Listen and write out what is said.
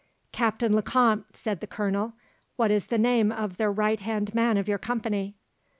"Captain Lecomte," said the Colonel, "what is the name of the right hand man of your company?"